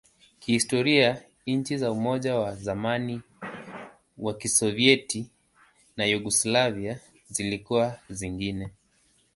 Kihistoria, nchi za Umoja wa zamani wa Kisovyeti na Yugoslavia zilikuwa zingine.